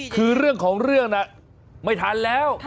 คือเรื่องของเรื่องน่ะไม่ทันแล้ว